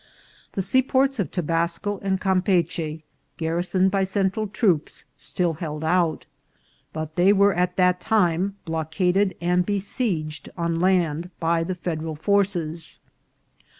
The seaports of Tobas co and Campeachy, garrisoned by Central trdops, still held out, but they were at that time blockaded and be sieged on land by the Federal forces.